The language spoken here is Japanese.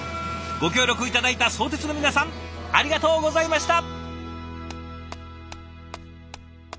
ご協力頂いた相鉄の皆さんありがとうございました！